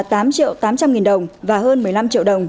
tám triệu tám trăm linh nghìn đồng và hơn một mươi năm triệu đồng